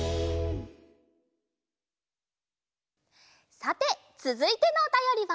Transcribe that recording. さてつづいてのおたよりは。